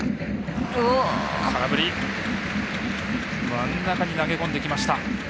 真ん中に投げ込んできました。